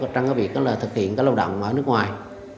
trong việc thực hiện lao động ở nước ngoài